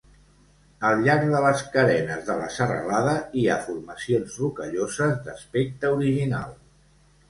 Al llarg de les carenes de la serralada hi ha formacions rocalloses d'aspecte original.